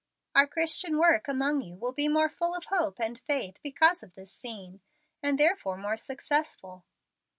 Our Christian work among you will be more full of hope and faith because of this scene, and therefore more successful."